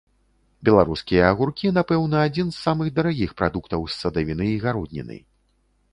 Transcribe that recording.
Беларускія агуркі, напэўна, адзін з самых дарагіх прадуктаў з садавіны і гародніны.